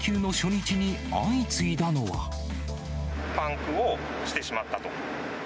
パンクをしてしまったと。